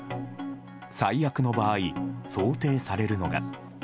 最悪の場合、想定されるのが。